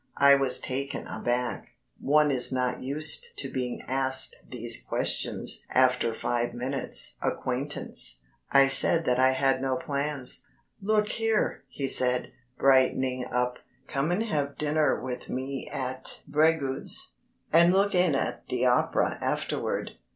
I was taken aback. One is not used to being asked these questions after five minutes' acquaintance. I said that I had no plans. "Look here," he said, brightening up, "come and have dinner with me at Breguet's, and look in at the Opera afterward.